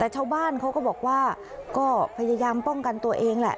แต่ชาวบ้านเขาก็บอกว่าก็พยายามป้องกันตัวเองแหละ